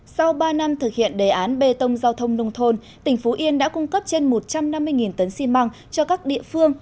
sau ba năm thực hiện đề án bê tông giao thông nông thôn tỉnh phú yên đã cung cấp trên một trăm năm mươi tấn xi măng cho các địa phương